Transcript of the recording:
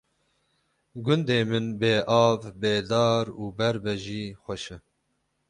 gundê min bê av, bê dar û ber be jî xweş e